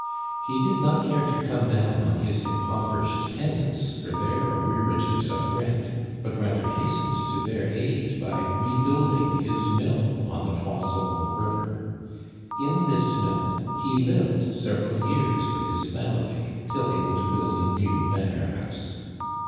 He did not care to come down on his impoverished tenants for their arrearages of rent, but rather hastened to their aid by rebuilding his mill on the Trois Saumons River. In this mill he lived several years with his family, till able to build a new manor house.